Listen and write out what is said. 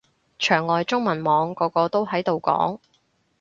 牆外中文網個個都喺度講